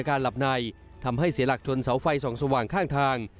อาการหลับในทำให้เสร็จหลักชนเสาไฟส่องสว่าง